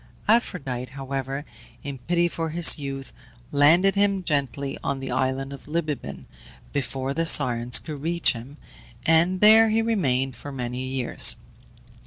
Aphrodite, however, in pity for his youth, landed him gently on the island of Libibaon before the Sirens could reach him, and there he remained for many years.